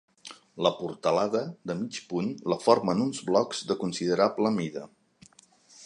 La portalada, de mig punt, la formen uns blocs de considerable mida.